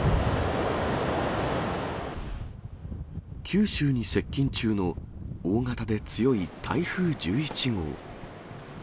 九州に接近中の大型で強い台風１１号。